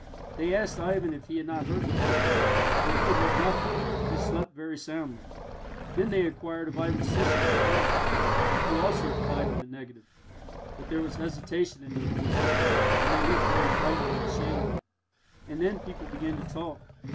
They asked Ivan if he had not heard the brute. But he had heard nothing, he slept very soundly. Then they inquired of Ivan's sisters and mother, who also replied in the negative; but there was hesitation in their voices, and they looked very frightened and ashamed. And then people began to talk.